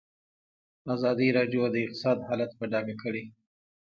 ازادي راډیو د اقتصاد حالت په ډاګه کړی.